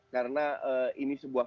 karena ini sebuah